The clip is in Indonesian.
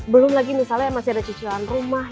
belum lagi misalnya masih ada cicilan rumah